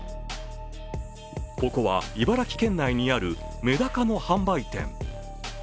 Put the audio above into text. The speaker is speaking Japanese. ここは茨城県内にあるメダカの販売店。